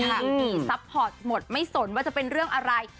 นี่ซัพพอร์ตหมดไม่สนว่าจะเป็นเรื่องอะไร